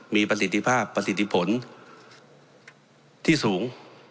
มีประสิทธิภาพประสิทธิผลที่สูง